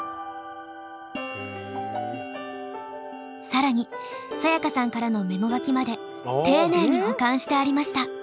更にサヤカさんからのメモ書きまで丁寧に保管してありました。